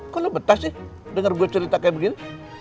kalo betah sih denger gue cerita kaya gini